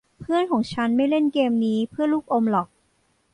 เพื่อนของฉันไม่เล่นเกมนี้เพื่อลูกอมหรอก